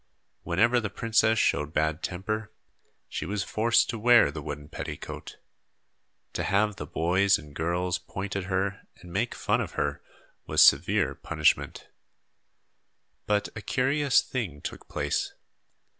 Whenever the princess showed bad temper, she was forced to wear the wooden petticoat. To have the boys and girls point at her and make fun of her was severe punishment. But a curious thing took place.